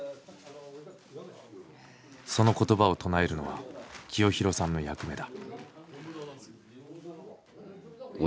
その言葉を唱えるのは清弘さんの役目だ。